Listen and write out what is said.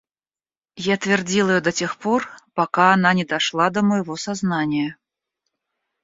Я твердил ее до тех пор, пока она не дошла до моего сознания.